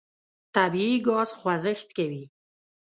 طبیعي ګاز خوځښت کوي.